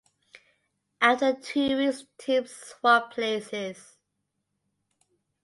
After two weeks teams swap places.